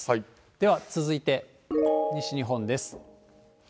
では、続いて西日本です。